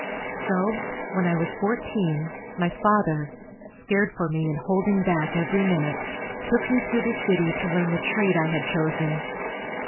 So, when I was fourteen, my father, scared for me and holding back every minute, took me to the city to learn the trade I had chosen.